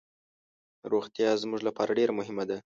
روغتیا زموږ لپاره ډیر مهمه ده.